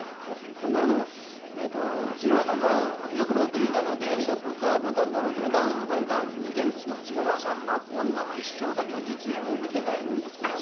僕杉村さんのは『欲望という名の電車』とか『牡丹燈籠』とか何本か見ているんですけど杉村さんの『女の一生』だけは実演を見ていないもんですから。